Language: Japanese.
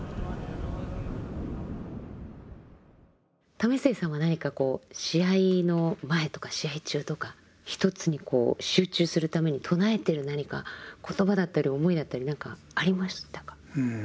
為末さんは何かこう試合の前とか試合中とか一つに集中するために唱えてる何か言葉だったり思いだったり何かありましたか？